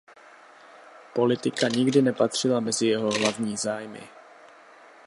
Politika nikdy nepatřila mezi jeho hlavní zájmy.